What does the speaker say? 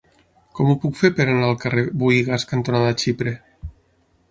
Com ho puc fer per anar al carrer Buïgas cantonada Xipre?